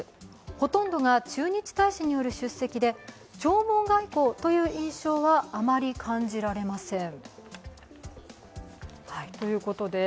ほとんどが駐日大使による出席で弔問外交という印象はあまり感じられません。